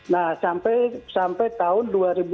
nah sampai tahun dua ribu enam belas